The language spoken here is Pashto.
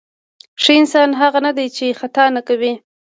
ښه انسان هغه نه دی چې خطا نه کوي.